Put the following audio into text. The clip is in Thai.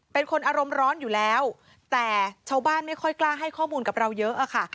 เป็นคนอารมณ์ร้อนอยู่แล้วแต่ชาวบ้านไม่ค่อยกล้าให้ข้อมูลกับเราเยอะอะค่ะ